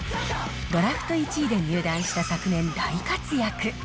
ドラフト１位で入団した昨年、大活躍。